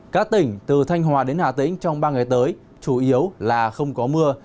các tỉnh từ thanh hòa đến hà tĩnh trong ba ngày tới chủ yếu là không có mưa